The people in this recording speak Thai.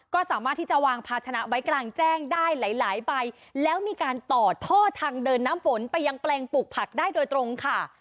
ก็สามารถที่จะวางภาชนะไว้กลางแจ้งได้หลายหลายใบแล้วมีการต่อท่อทางเดินน้ำฝนไปยังแปลงปลูกผักได้โดยตรงค่ะ